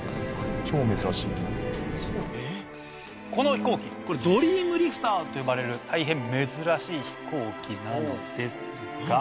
この飛行機ドリームリフターと呼ばれる大変珍しい飛行機なのですが。